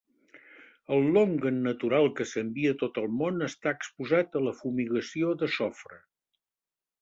El longan natural que s'envia a tot el món està exposat a la fumigació de sofre.